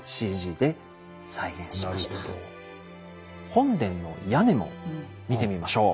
本殿の屋根も見てみましょう。